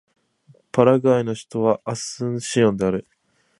パラグアイの首都はアスンシオンである